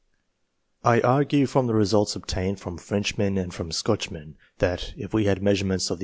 I argue from the results obtained from Frenchmen and m Scotchmen, that, if we had measurements of the